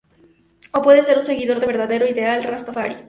O puede ser un seguidor del verdadero ideal rastafari.